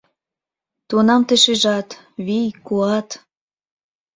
Тунам тый шижат: вий, куат